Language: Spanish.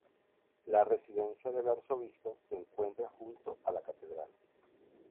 La residencia del arzobispo se encuentra junto a la catedral.